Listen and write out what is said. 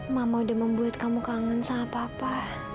mama udah membuat kamu kangen sama papa